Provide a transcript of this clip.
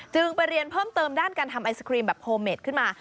ไปเรียนเพิ่มเติมด้านการทำไอศครีมแบบโฮเมดขึ้นมา